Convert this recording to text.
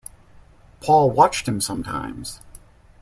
Paul watched him sometimes.